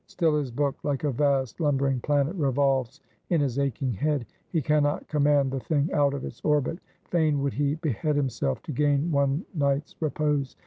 Still his book, like a vast lumbering planet, revolves in his aching head. He can not command the thing out of its orbit; fain would he behead himself, to gain one night's repose.